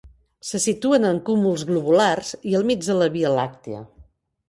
Se situen en cúmuls globulars i al mig de la Via Làctia.